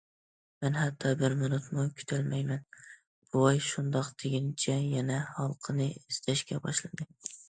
مەن ھەتتا بىر مىنۇتمۇ كۈتەلمەيمەن،- بوۋاي شۇنداق دېگىنىچە يەنە ھالقىنى ئىزدەشكە باشلىدى.